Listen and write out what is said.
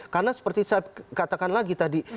karena seperti saya katakan lagi tadi